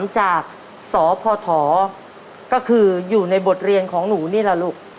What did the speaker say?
จากสพก็คืออยู่ในบทเรียนของหนูนี่แหละลูก